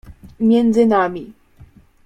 między nami.